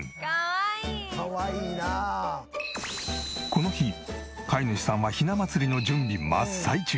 この日飼い主さんはひな祭りの準備真っ最中。